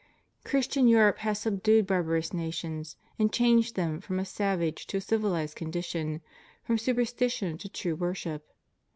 Christian Europe has subdued barbarous nations, and changed them from a savage to a civilized condition, from superstition to true worship.